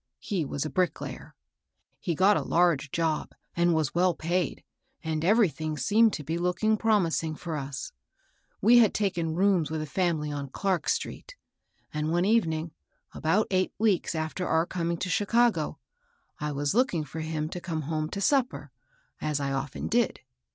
He was a bricklayer. He got a large job, and was well paid, and everything seemed to be look ing promising for us. We had taken rooms with a fiimily on Clark street ; and, one evening, about eight weeks after our commg to Chicago, I was looking for him to come home to supper, as I often did.